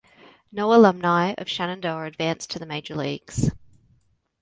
No alumni of Shenandoah advanced to the major leagues.